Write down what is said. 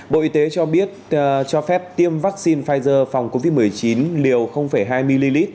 bộ y tế cho biết cho phép tiêm vaccine phòng covid một mươi chín liều hai ml